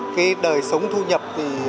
cái đời sống thu nhập